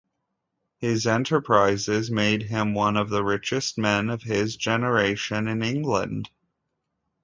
His enterprises made him one of the richest men of his generation in England.